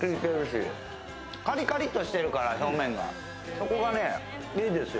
そこがいいですよ